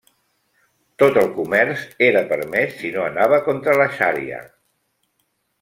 Tot el comerç era permès si no anava contra la xaria.